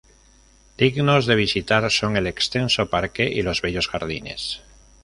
Dignos de visitar son el extenso parque y los bellos jardines.